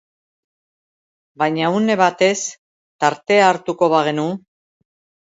Baina une batez, tartea hartuko bagenu?